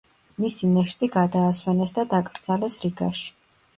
მისი ნეშტი გადაასვენეს და დაკრძალეს რიგაში.